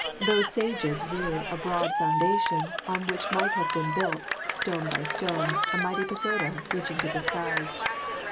Those sages reared a broad foundation on which might have been built, stone by stone, a mighty pagoda reaching to the skies.